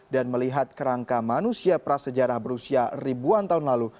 dan melihat kerangka manusia prasejarah berusia ribuan tahun lalu